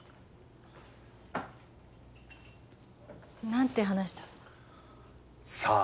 何て話した？さあ？